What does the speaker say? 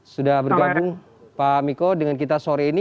sudah bergabung pak miko dengan kita sore ini